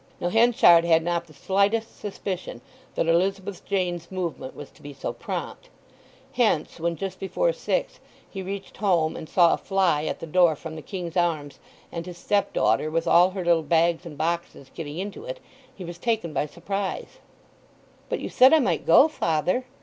Now Henchard had not the slightest suspicion that Elizabeth Jane's movement was to be so prompt. Hence when, just before six, he reached home and saw a fly at the door from the King's Arms, and his stepdaughter, with all her little bags and boxes, getting into it, he was taken by surprise. "But you said I might go, father?"